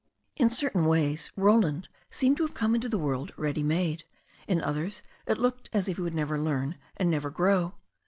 In certain ways Roland seemed to have come into the world ready made; in others it looked as if he would never learn and never grow.